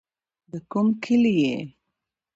د کوم کلي يې.